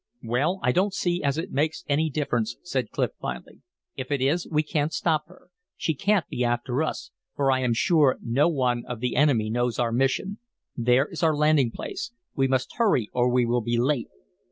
"Well, I don't see as it makes any difference," said Clif, finally. "If it is, we can't stop her. She can't be after us, for I am sure no one of the enemy knows our mission. There is our landing place. We must hurry or we will be late."